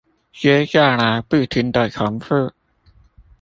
接下來不停的重複